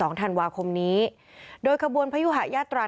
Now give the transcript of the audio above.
ในเวลาเดิมคือ๑๕นาทีครับ